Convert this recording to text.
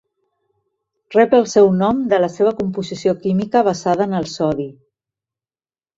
Rep el seu nom de la seva composició química basada en el sodi.